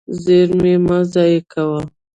زیرمې مه ضایع کوه.